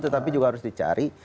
tetapi juga harus dicari